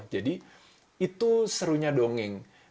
jadi itu serunya dongeng